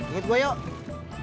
ikut gua yuk